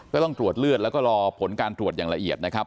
ก็ต้องตรวจเลือดแล้วก็รอผลการตรวจอย่างละเอียดนะครับ